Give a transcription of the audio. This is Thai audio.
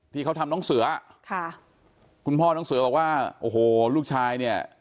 ที่เขาทำน้องเสือค่ะคุณพ่อน้องเสือบอกว่าโอ้โหลูกชายเนี่ย